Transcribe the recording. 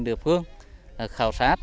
được phát triển cho gia đình